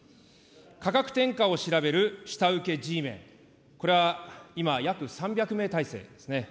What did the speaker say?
価格転嫁を調べる下請けＧメン、これは今、約３００名体制ですね。